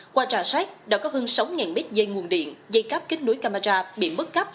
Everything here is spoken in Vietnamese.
qua trả sát đã có hơn sáu mét dây nguồn điện dây cáp kết nối camera bị mất cáp